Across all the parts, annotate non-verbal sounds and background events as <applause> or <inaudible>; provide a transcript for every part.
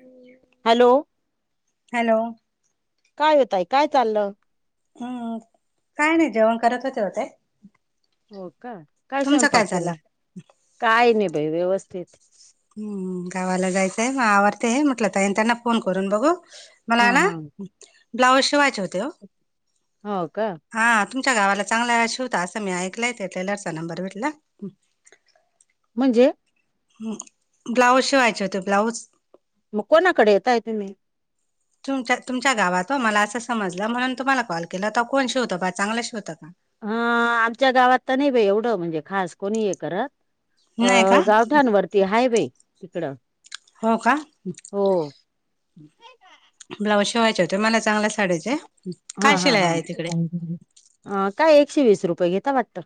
आ hello. काय हो ताई काय चाललं? हम्म. काय नाही जेवण करत होते ओ ते. हो का? काय स्वयंपाक केला? काय नाही बाई व्यवस्थित. हम्म. गावाला जायचंय मग आवरते हे म म्हटलं ताई अन् त्यांना फोन करून बघू हा मला ना हा ब्लाउज शिवायचे होते हो. हो का? हा तुमच्या गावाला चांगला शिवता असं मी ऐकलाय त्या टेलरचा नंबर भेटला. म्हणजे ब्लाऊज शिवायचे होते ब्लाउज मग कोणाकडे येताय तुम्ही? तुमच्या तुमच्या गावात हो मला असं समजलं म्हणून तुम्हाला कॉल केला होता कोण शिवतं बा चांगलं शिवतं का? ह आमच्या गावात तर नाही बाई एवढं म्हणजे खास कोणी हे करत. अ नाही का गावठाणं वरती हाय बे तिकडं हो का हो. ब्लाऊज शिवायचे होते मला चांगला साडीचे हा काय हा शिलाई हा आहे तिकडे अ काय एकशे वीस रुपये घेता वाटतं.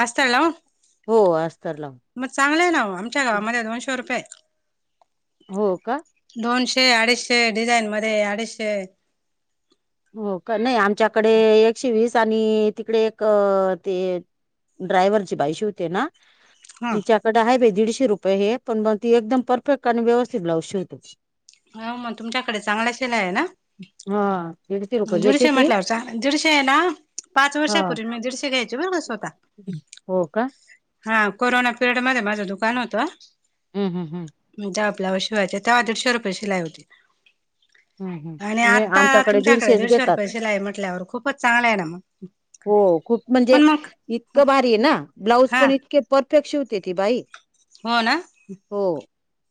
अस्तगाव अस्तर लावून मग चांगलं आहे ना आमच्या गावामध्ये दोनशे रुपये हो का? दोनशे, अडीचशे डिझाईन मध्ये अडीचशे हो का? नाही आमच्याकडे एकशे वीस आणि तिकडे एक ते ड्रायव्हरची बाई शिवते ना ह तिच्या आहे बा दीडशे रुपये हे पण मग ती एकदम परफेक्ट आणि व्यवस्थित ब्लाउज शिवते. हां मग तुमच्याकडे चांगला शिलाया आहे ना. हा दीडशे रुपये घेते दीडशे ती म्हटल्यावर दीडशे आहे ना पाच हा. वर्षापूर्वी मी दीडशे घ्यायचे बर स्वतः हो का? हा कोरोना पिरियड मध्ये माझं दुकान होतं. हम् हम् हम म ते आपल्याकडं शिवायच्या तेव्हा दीडशे रुपये शिलाई होती. हम्म आणि हम्म. नाही आता आमच्याकडे तुमच्याकडे दीडशेच दीडशे रुपये घेतात शिलाई म्हटल्यावर खूपचं चांगला आहे ना हो खूप म्हणजे पण मग इतकं भारी आहे ना ब्लाऊज हा पण इतके परफेक्ट शिवते ती बाई हो ना हो.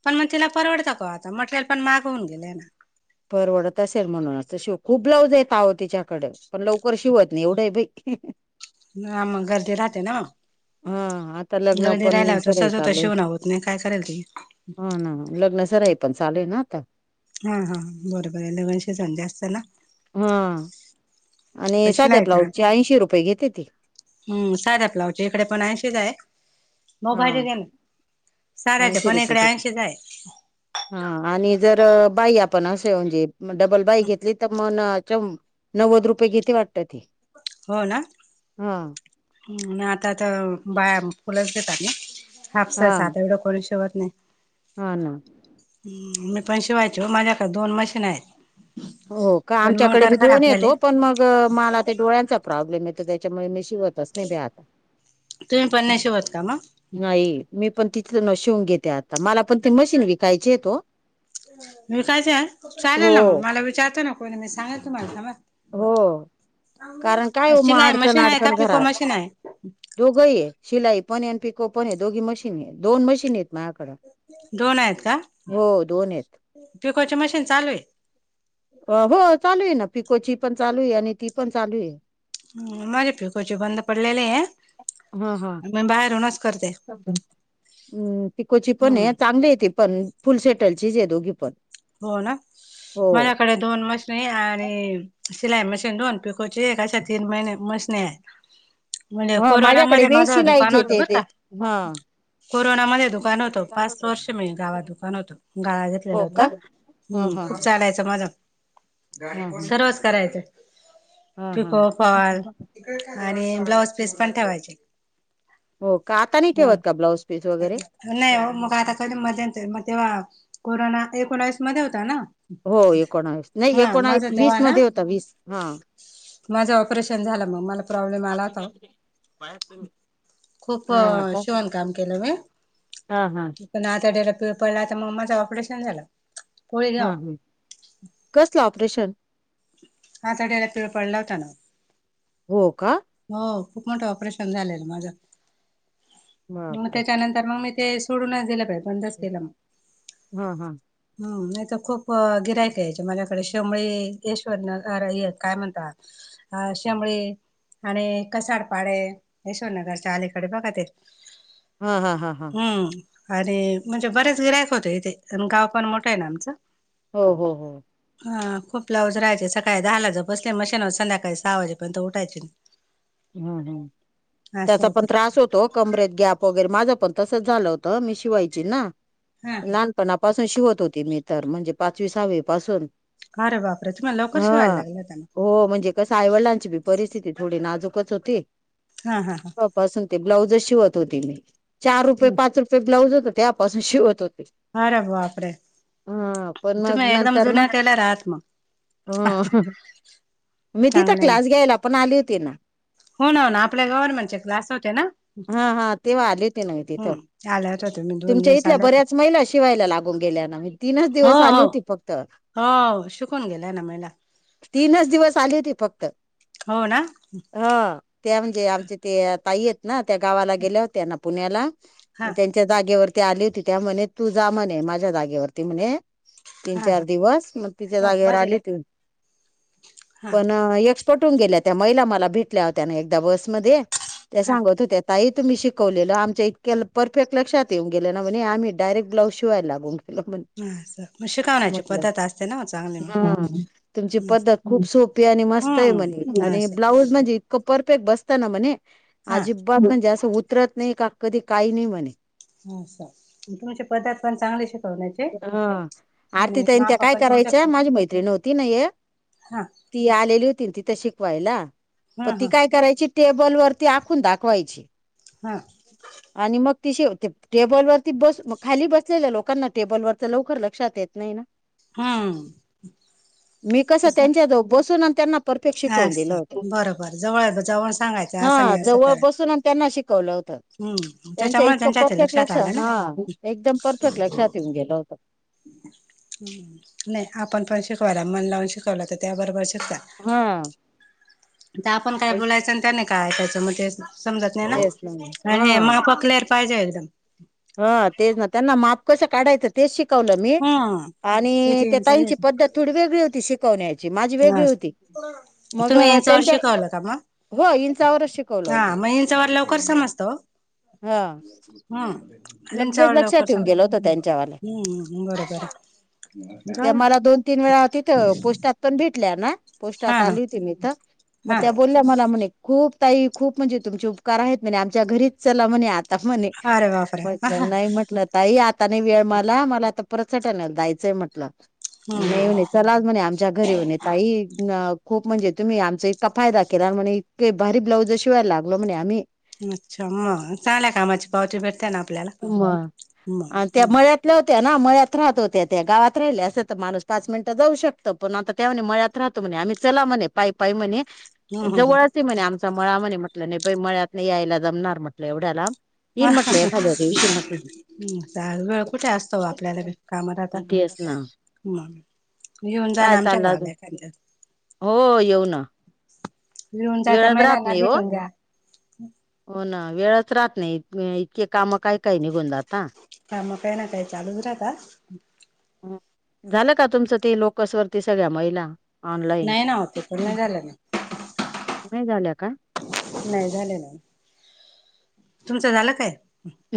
पण मग तिला परवडतं का आता मटेरियल पण मागवून गेले ना. परवडत असेल म्हणून असं शिव खूप ब्लाउज येत आहो तिच्याकडे पण लवकर शिवत नाही एवढं आहे बई हां मग गर्दी राहते ना? हा आता लग्न गर्दी राहिला पण होत सराई सहज होत शिवण होत नाही काय करेल ती हो ना लग्नसराई पण चालू आहे ना. हां हां बरोबर आहे दरवर्षी धंदा असता ना हा आणि पण साध्या ब्लाऊजची ऐंशी रुपये घेते ती हम् साध्या ब्लाऊज ची इकडे पण ऐंशीच आहे. हा साड्याच्या ऐंशी पण रुपये इकडे घेते ऐंशीच आहे हां आणि जर बाही आपण असे म्हणजे डबल बाही घेतली तर म नव्वद रुपये घेते वाटतं ती हो ना? हां ना आता त बाया फुलंच घेतात ना. हाफ हा सहसा आता इथं कोणी शिवत नाही. हा ना मी पण शिवायची माझ्याकडे दोन मशीन आहेत. हो का? पण आमच्याकडे मोटर बी दोन खराब आहेत झाले पण मग मला ते डोळ्यांचा प्रॉब्लेम येतो त्याच्यामुळे मी शिवत तुम्ही पण नाही शिवत का मग नाही मी पण तिथून शिवून घेते आता मला पण ते मशीन विकायचे हो. वीकायच हो चालेल ना मग मला विचारतो ना कोणी मी सांगेलं तुमाला थाबा. हो कारण काय म शिलाई अडचण मशीन आहे का अडचण पिको घरात. मशीन आहे दोघंही आहे शिलाई पण आणि पिको पण आहे दोघी मशीन आहे दोन मशीन आहेत माझ्याकडं. दोन आहेत का हो दोन आहेत पिकोची मशीन चालू आहे. हो चालु आहे ना पिकोची पण चालू आहे आणि ती पण चालू आहे. ह माझे फिकोचे बंद पडलेले आहे. हा हा मी बाहेरूनच करते हाम् पिकोची पण हम्म आहे चांगली ती. पण फुल सेटलचीच आहे दोघी पण. हो ना हो माझ्याकडे दोन मश, नी आणि सिलाई मशीन दोन पिकोची एक अशा तीन महि मशनी आहेत. म्हणजे हा माझ्याकडे कोरोनामध्ये बी माझं दुकान शिलाईचे होतं ते बर ते का. हा कोरोनामध्ये दुकान होतं पाच वर्ष मी गावात दुकान होत गाळा घेतलेला हो होता. का हा हम्म हा खूप हा चालायचं माज हा हा सर्वच करायचं. हा हा पिको फॉल <unintelligible> आणि ब्लाऊज पीस पण ठेवायचे. हो का आता नाही हम्म. ठेवत का ब्लाऊज पीस वगैरे, नाही ओ मग आता कधी मध्येतरी मग तेव्हा कोरोना एकोणावीस मध्ये होता ना. हो एकोणावीस नाही हा एकोणास माझं वीस तेव्हा ना मध्ये होता वीस हा. माझं ऑपरेशन झालं मग मला प्रॉब्लेम हा आला होता. खूप अ का शिवन काम केलं मी. हा हा पन आता डेला पिळ पाहिला तमाज ऑपरेशन झालं. हा पोळीगाव ह कसलं ऑपरेशन? आतड्याला पिळ पडला होता ना. हो का. हो खूप मोठं ऑपरेशन झालेलं माझं मग बापरे त्याच्यानंतर मग मी, ते सोडून नाही दिलं पाई बंदच केला मग. हा हा हम्म नाही तर खूप गिरायक या्यायचे माझ्याकडे शेमळे ईश्वर येत काय म्हणतात. अ अश्यामुळे, आणि कसाडपाडे यशवरनगरच्या अलीकडे बघा ते. हा हा हा हा हम्म, आणि म्हणजे बरेच गिरयक होते इथे गाव पण मोठं आहे ना आमचं. हो हो हो हा खूप लावज राहायचे सकाळी दहाला ज बसले मशीनवर संध्याकाळी सहा वाजेपर्यंत उठायचे नाई. हम् हम् असं त्याचा पण होतं त्रास हो. तो कमरेत गॅप वगैरे माझं पण तसं झालं होत मी शिवायची ना, हा पणापासून शिवत होती मी तर म्हणजे पाचवी सहावी पासून, अरे बापरे तुम्हाला लवकर शिवा्हायला हा लागला त्यान, हो म्हणजे, कस आईवडलांची बी परिस्थिती थोडी नाजूकच होती. हा हा हा त्या पासुन ते ब्लाउज शिवत होते मी चार रुपये हम्म. पाच रुप, ते ब्लाऊज होते त्यापासून शिवत होते. अरे बापरे, हा पण मग तुम्ही एकदम नंतर ना जुन्या टेलर आहात मग. ह मी तिथं चांगले ना क्लास घ्यायला पण आली होती ना. हो ना हो ना आपल्या गव्हर्नमेंट चे क्लास होते ना. हा हा तेव्हा आले हो ते ना मी तिथं, हम्म आल्यात होते मी दोन तुमच्या दिवस इथल्या आल्यात बऱ्याच महिला शिवायला लागून गेल्या ना बाई. तीनच हो दिवस आली हो होती फक्त. हो शिकून गेलाय ना महीला. तीनच दिवस आले होते फक्त. हो ना. हा त्या म्हणजे आमचे ते ताई आहेत ना, त्या गावाला गेल्या होत्या ना पुण्याला हा त्यां त्या जागेवरती आली होती. त्या म्हणे तू जा म्हणे माझ्या जागेवरती म्हणे. तीन हा चार हा दिवस मग तिच्या हो जागेवर बाजे आली घ्या. होती हा पण पटून गेल्या त्या महीला मला भेटल्या होत्याना एकदा बसमध्ये, त्या हा सांगत होत्या. ताई तुम्ही शिकवलेलं आमच्या इतक्या परफेक्ट लक्षात येऊन गेलं, ना म्हणे आम्ही डायरेट ब्लाऊज शिवायला लागून गेलो म्हणे. हा असं मग शिकवण्याची म्हटल पद्धत असते ना चांगली मग ह तुमची पद्धत. खूप सोपी आणि मस्त आहे. म्हणे हम्म आणि असं ब्लाउज म्हणजे परफेक्ट बसतना म्हणे, हा अजिबात म्हणजे आस उतरत नाही, का काय नाही म्हणे. हा असं तुमची पध्दत पण चांगली शिकवण्याची. आणि त्या मापा काय पण तुमच्या करायच्या माझी मैत्रिण होती ना एक. हा. ती आलेली होती ना तिथं शिकवायला. तर हा ती हा करायची टेबल वरती आखुन दाखवायची. हा. आणि मग ति शेव टेबलवरती बस खाली बसलेल्या लोकांना टेबलवरच लवकर लक्षात येत नाही ना. हम्म मी कसं त्यांच्या जवळ बसून आणि त्यांना. परफेक्ट शिकवून दिलं असं होतं. बरोबर जवळ जवळ सांगायचं असं हा नाही असं जवळ करा बसून त्यांना शिकवलं होतं. हम्म त्यांच्या त्याच्यामुळे इतकं त्यांच्या ते परफेक्ट आलं लक्षात, ना हा एकदम परफेक्ट लक्षात येऊन गेलं होतं. नाही आपण पण शिकवायला मन लावून शिकवला, तर त्या पण बरोबर शिकता. हा. आपण काय बोलायचं, आणि त्यांनी काय ऐकायचं ते समजत नाही ना, तेच आणि हा मापं क्लेर. पाहिजे एकदम. हा तेच ना त्यांना माप कसं काढायचं तेच शिकवलं मी, हम्म आणि किती ते इंच आहे ताईंची पद्धत थोडी वेगळी होती. शिक कवण्याची माझी हा वेगळी होती. मग तुम्ही इंचावर त्यांच्या शिकवलं का मग हो इंचावरच शिकवलं हा होतं मग इंचावर लवकर हा. हं लगेच इंचावर लक्षात लवकर येऊन समजत. गेलं होतं त्यांच्यावाल्या हं हं बरोबर. आहे मला दोन तीन वेळा तिथं पोस्टात पण भेटल्या ना पोस्टात हा हा आली होती, मी इथं मग त्या हा बोलल्या मला म्हणे खूप ताई खूप म्हणजे तुमचे उपकार आहेत. म्हणे आमच्या घरीच चला म्हणे आता म्हणे. अरे बापरे म्हटलं नाही म्हटलं ताई, आता नाही वेळ मला मला आता परत सटाण्याला जायचंय म्हटलं. नाही म्हणे. हम्म चलाच म्हणे, आमच्या घरी म्हणे ताई खूप म्हणजे तुम्ही, आमचा इतका फायदा केला म्हणे. इतके भारी ब्लाऊजं शिवायला लागलो म्हणे आम्ही. अच्छा! मग चांगल्या कामाची पावती भेटते ना आप ह मग आणि त्या मळ्यात. त्या होत्या ना मळ्यात राहत होत्या. त्या गावात राहिल्या असत्या, तर माणूस पाच मिनिटं जाऊ शकतं. पण आता त्या म्हणे मळ्यात राहतो म्हणे, आम्ही चला म्हणे पायी पायी म्हणे. ह ह जवळच आहे म्हणे आमचा मळा म्हणे, म्हटलं नाही बाई मळ्यातनं यायला जमणार म्हटलं एवढ्या लांब. येईल म्हटलं एक हम्म, आता वेळ कुठे असतो आपल्याला बी कामं राहता. तेच ना मग येऊन जा ना काय आमच्या चाललं गावाला अजून एखाद्या दिवस. हो येऊ ना. येऊन जा त्या वेळच राहत महिलांना नाही हो भेटून घ्या. हो ना वेळच राहत नाही इतके काम काय काय निघून जाता. कामं काही ना काही चालूच राहता. झालं का तुमचं ती लोकसवरती सगळ्या महिला? ऑनलाईन नाही ना ओ, ते तर नाही झालं‌ ना. नाही झालं का? नाही झालं ना, तुमचं झालं काय?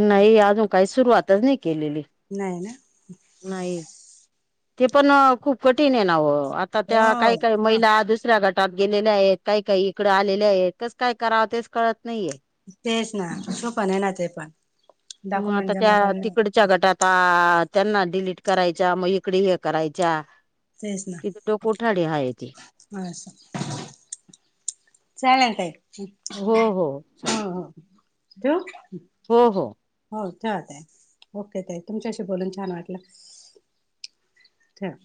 नाही अजून काही सुरुवातच नाही केलेली. नाही ना? नाही, ते पण अ खूप कठीण आहे ना वो आ आता त्या हो काही काही म महिला दुसऱ्या गट टात गेलेल्या हायत, काही काही इकडं आलेल्या हायत, कसं काय करावं तेच कळत नाहीये. तेच ना, सोपं नाही ना ते पण. मग डॉक्युमेंट आता जमा त्या, करणे तिकडं‌ च्या गटात आ त्यांना डिलीट करायच्या मग इकडं हे करायच्या. तेच ना तिथं <unintelligible> हाय ते. असं चालेल ताई, हम्म हो चा- हम्म, ठेऊ? हो हो. हो ठेवा ताई, ओके ताई, तुमच्याशी बोलून छान वाटलं. ठेवा.